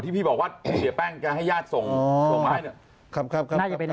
อ๋อที่พี่บอกว่ารูเตี๋ยวเป็กก็ให้ญาติส่งมาให้หนึ่ง